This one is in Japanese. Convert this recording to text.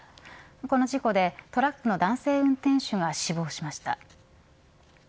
この事故でトラックの男性運転手が死亡しました。